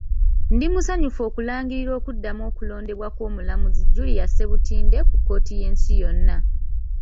Ndi musanyufu okulangirira okuddamu okulondebwa kw'omulamuzi Julia Ssebutinde ku kkooti y'ensi yonna.